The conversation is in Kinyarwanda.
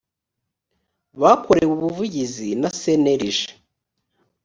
bakorewe ubuvugizi na cnlg